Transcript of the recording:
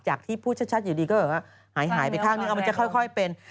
จากที่พูดชัดอยู่ดีก็หายไปข้างนึงมันจะค่อยเป็น